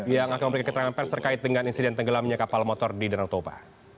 yang akan memberikan keterangan pers terkait dengan insiden tenggelamnya kapal motor di danau toba